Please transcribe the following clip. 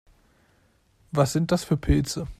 Was sind das für Pilze?